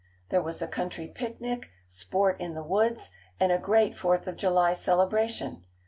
There was a country picnic, sport in the woods, and a great Fourth of July celebration.